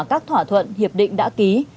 các thỏa thuận hiệp định đã ký